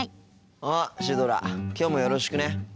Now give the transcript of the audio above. あっシュドラきょうもよろしくね。